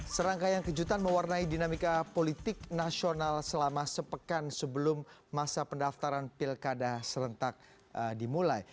serangkaian kejutan mewarnai dinamika politik nasional selama sepekan sebelum masa pendaftaran pilkada serentak dimulai